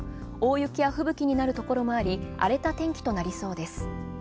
大雪や吹雪になるところもあり、荒れた天気となりそうです。